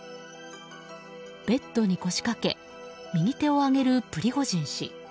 ベッドに腰掛け右手を上げるプリゴジン氏。